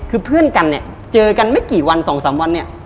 คือเพื่อนกันเนี่ยเจอกันไม่กี่วันสองสามวันเนี่ย